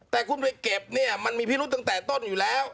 แต่คุณไปเก็บเนี่ยมันมีพิรุษตั้งแต่ต้นอยู่แล้ว